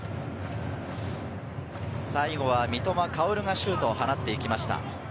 最後は三笘薫がシュートを放っていきました。